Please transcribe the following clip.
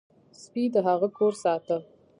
سپي د هغه کور ساته.